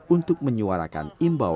untuk menyuarakan imbau